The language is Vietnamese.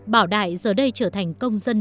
bảo đại giờ đây trở thành công dân